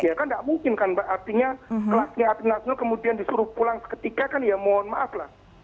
ya kan tidak mungkin kan mbak artinya kelasnya atlet nasional kemudian disuruh pulang seketika kan ya mohon maaf lah